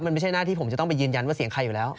มันไม่ใช่หน้าที่ผมจะต้องไปยืนยันว่าเสียงใครอยู่แล้ว